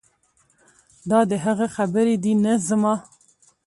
دا د هغه خبرې دي نه زما.